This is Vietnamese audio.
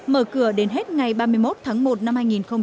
mở cửa đến hết ngày ba mươi một tháng một năm hai nghìn một mươi chín